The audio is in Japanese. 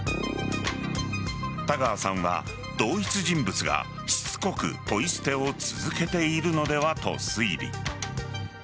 田川さんは同一人物がしつこくポイ捨てを続けているのではと推理。